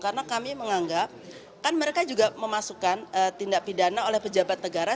karena kami menganggap kan mereka juga memasukkan tindak pidana oleh pejabat negara